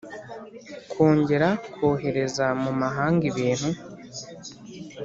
Kongera kohereza mu mahanga ibintu